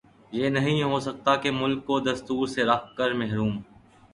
یہ نہیں ہو سکتا کہ ملک کو دستور سےرکھ کر محروم